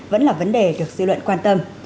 vẫn là vấn đề được dư luận quan tâm